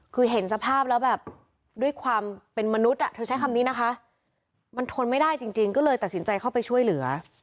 คือเห็นสภาพแล้วแบบด้วยความเป็นมนุษย์เธอใช้คำนี้นะคะมันทนไม่ได้จริงก็เลยตัดสินใจเข้าไปช่วยเหลือ